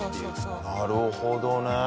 なるほどね。